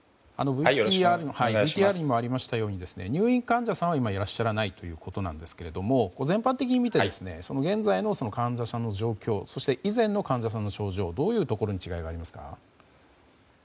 ＶＴＲにもありましたように入院患者さんは今いらっしゃらないということですが全般的に見て現在の患者さんの状況そして以前の患者さんの症状どういうところに違いがありますか？